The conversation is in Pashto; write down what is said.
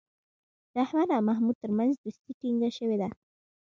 د احمد او محمود ترمنځ دوستي ټینگه شوې ده.